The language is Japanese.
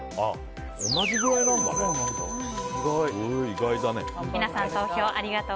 同じくらいなんだね。